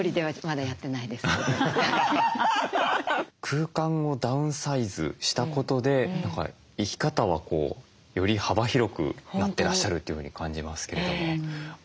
空間をダウンサイズしたことで何か生き方はより幅広くなってらっしゃるというふうに感じますけども。